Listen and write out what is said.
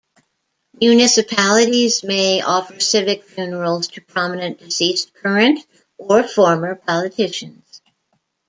Municipalities may offer civic funerals to prominent deceased current or former politicians.